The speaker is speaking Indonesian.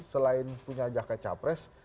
selain punya jaket capres